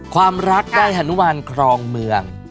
ความรักได้ฮานุมานครองเมือง